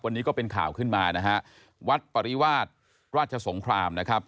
วันนี้ก็เป็นข่าวขึ้นมานะฮะวัดปริวาสราชสงครามนะครับ